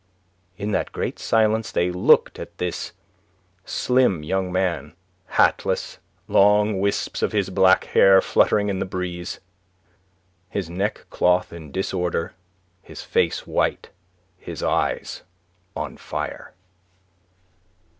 In that great silence they looked at this slim young man, hatless, long wisps of his black hair fluttering in the breeze, his neckcloth in disorder, his face white, his eyes on fire.